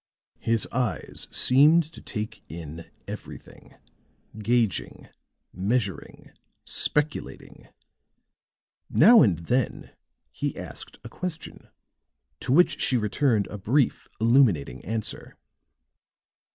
His eyes seemed to take in everything, gauging, measuring, speculating; now and then he asked a question to which she returned a brief, illuminating answer.